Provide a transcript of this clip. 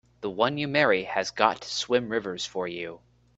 The one you marry has got to swim rivers for you!